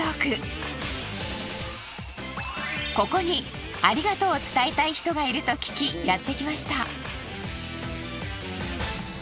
ここにありがとうを伝えたい人がいると聞きやってきました。